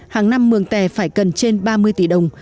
hàng năm mường tè phải cần trên ba mươi tỷ đồng